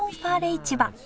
市場